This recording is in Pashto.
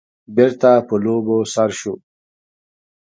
بېرته په لوبو سر شو.